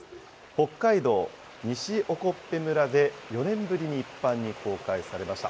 北海道西興部村で、４年ぶりに一般に公開されました。